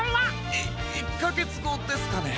い１かげつごですかね。